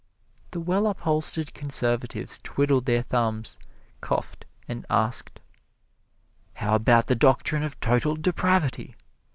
The well upholstered conservatives twiddled their thumbs, coughed, and asked: "How about the doctrine of total depravity?